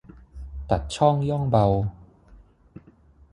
ตัดช่องย่องเบา